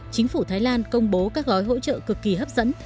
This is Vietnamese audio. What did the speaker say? chính phủ thái lan công bố các gói hỗ trợ cực kỳ hấp dẫn